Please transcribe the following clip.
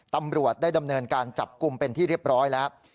ตำรวจได้ดำเนินการจับกลุ่มเป็นที่เรียบร้อยแล้ว